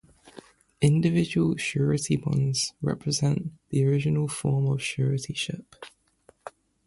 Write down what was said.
Individual surety bonds represent the original form of suretyship.